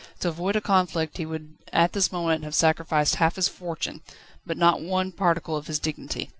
To avoid a conflict he would at this moment have sacrificed half his fortune, but not one particle of his dignity.